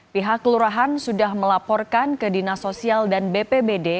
pihak kelurahan sudah melaporkan ke dinas sosial dan bpbd